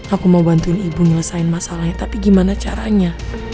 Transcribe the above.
aku mau bantuin ibu nyelesain masalahnya tapi gimana caranya